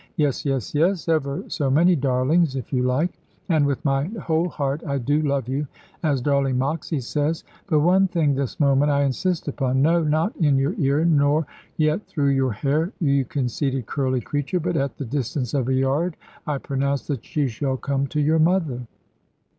Yes, yes, yes! Ever so many darlings, if you like and 'with my whole heart I do love you,' as darling Moxy says. But one thing, this moment, I insist upon no, not in your ear, nor yet through your hair, you conceited curly creature; but at the distance of a yard I pronounce that you shall come to your mother."